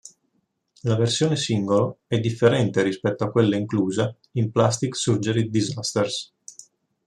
La versione singolo è differente rispetto a quella inclusa in "Plastic Surgery Disasters".